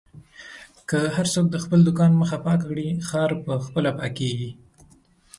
که هر څوک د خپل دوکان مخه پاکه کړي، ښار په خپله پاکېږي.